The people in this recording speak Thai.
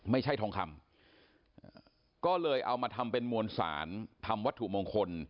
ไม่ใช่ทองคำก็เลยเอามาทำเป็นมวลสารทำวัตถุมงคล